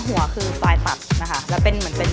หัวคือฝ่ายตัดนะคะแล้วเป็นเหมือนเป็น